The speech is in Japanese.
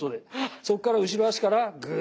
そっから後ろ足からぐーっと。